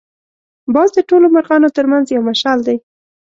باز د ټولو مرغانو تر منځ یو مشال دی